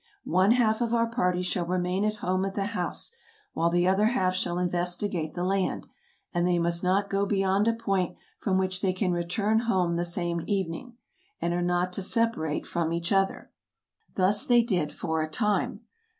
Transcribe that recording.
One half of our party shall remain at home at the house, while the other half shall investigate the land; and they must not go beyond a point from which they can return home the same evening, and are not to separate [from each other]." Thus they did for a time.